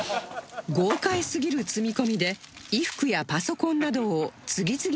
豪快すぎる積み込みで衣服やパソコンなどを次々に詰め込んでいきます